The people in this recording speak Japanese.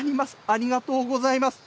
ありがとうございます。